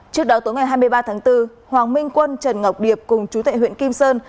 trước đó tối ngày hai mươi ba tháng bốn hoàng minh quân trần ngọc điệp cùng chú tệ huyện kim sơn